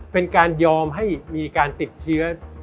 เป็นการยอมให้มีการติดเชื้อ